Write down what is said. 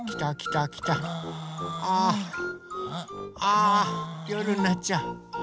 あよるになっちゃう！